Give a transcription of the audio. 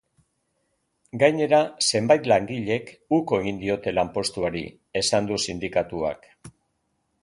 Gainera, zenbait langilek uko egin diote lanpostuari, esan du sindikatuak.